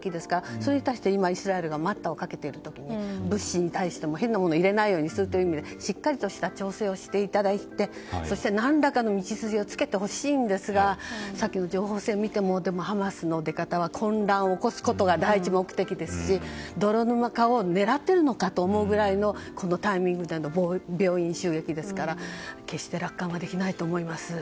それに対してイスラエルが待ったをかけている中でしっかりとした調整をしていただいてそして何らかの道筋をつけてほしいんですがさっきの情報戦を見てもハマスの出方は混乱を起こすことが第一目的で泥沼化を狙っているのかと思うくらいのタイミングで病院襲撃ですから決して楽観はできないと思います。